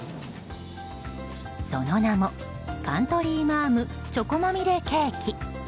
その名もカントリーマアムチョコまみれケーキ。